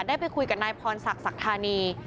ได้ไปคุยกับนายพรศักดิ์ศักดิ์ธานี